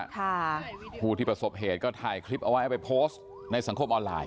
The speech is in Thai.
ผู้ที่ประสบเหตุก็ถ่ายคลิปเอาไว้เอาไปโพสต์ในสังคมออนไลน